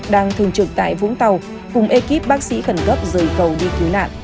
đang thường trực tại vũng tàu cùng ekip bác sĩ khẩn cấp rời cầu đi cứu nạn